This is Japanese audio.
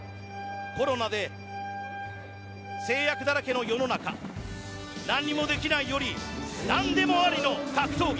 コロナで制約だらけの世の中何もできないより何でもありの格闘技。